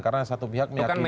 karena satu pihak meyakini